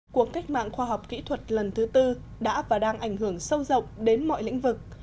cuộc cách mạng khoa học kỹ thuật lần thứ tư đã và đang ảnh hưởng sâu rộng đến mọi lĩnh vực